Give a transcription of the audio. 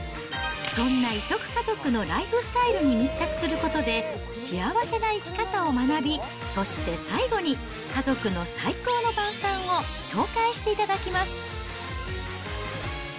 そんな異色家族のライフスタイルに密着することで、幸せな生き方を学び、そして最後に、家族の最高の晩餐を紹介していただきます。